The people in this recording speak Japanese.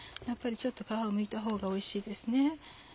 やっぱりちょっと皮をむいたほうがおいしいですね。